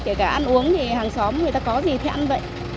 kể cả ăn uống thì hàng xóm người ta có gì thì ăn vậy